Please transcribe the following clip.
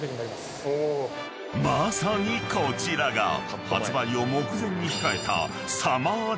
［まさにこちらが発売を目前に控えた］